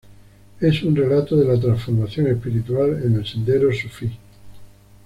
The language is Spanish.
Es un relato de la transformación espiritual en el sendero sufí.